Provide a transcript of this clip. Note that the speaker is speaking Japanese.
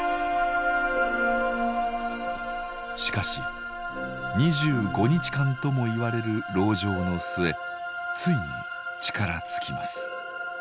しかし２５日間とも言われる籠城の末ついに力尽きます。